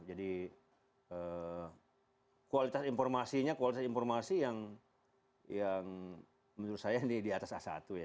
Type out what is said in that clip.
jadi kualitas informasinya kualitas informasi yang menurut saya di atas a satu ya